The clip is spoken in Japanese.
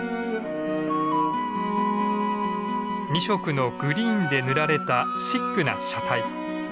２色のグリーンで塗られたシックな車体。